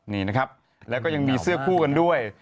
นี่นะครับแล้วก็ยังมีเสื้อคู่กันด้วย